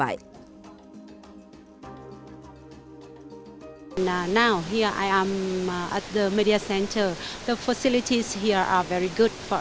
nah sekarang saya berada di media center fasilitas di sini sangat baik untuk kita